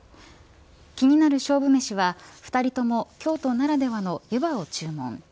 気になる勝負メシは２人とも京都ならではのゆばを注文。